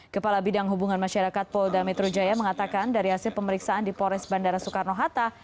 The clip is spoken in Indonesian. kepala bidang hubungan masyarakat polda metro jaya mengatakan dari hasil pemeriksaan di polres bandara soekarno hatta